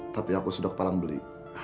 tapi aku sudah kepalang beli